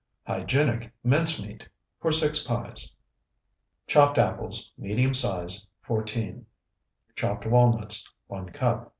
HYGIENIC MINCE MEAT (For Six Pies) Chopped apples, medium size, 14. Chopped walnuts, 1 cup.